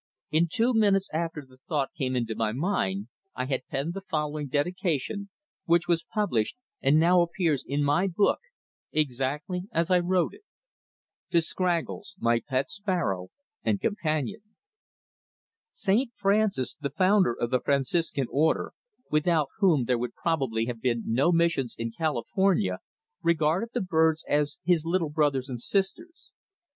In two minutes after the thought came into my mind I had penned the following dedication, which was published and now appears in my book exactly as I wrote it: TO SCRAGGLES MY PET SPARROW AND COMPANION Saint Francis, the founder of the Franciscan order, without whom there would probably have been no missions in California, regarded the birds as his "little brothers and sisters."